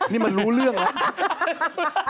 นี่มันรู้เรื่องแล้ว